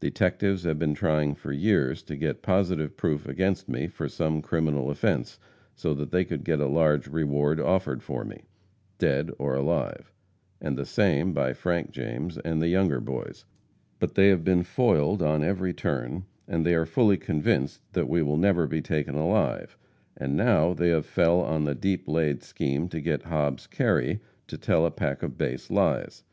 Detectives have been trying for years to get positive proof against me for some criminal offense, so that they could get a large reward offered for me, dead or alive; and the same by Frank James and the Younger boys, but they have been foiled on every turn, and they are fully convinced that we will never be taken alive, and now they have fell on the deep laid scheme to get Hobbs Kerry to tell a pack of base lies.